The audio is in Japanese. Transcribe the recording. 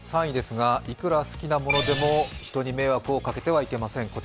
３位ですが、いくら好きなものでも人に迷惑をかけてはいけません。